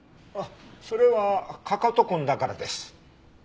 あっそれはかかと痕だからです。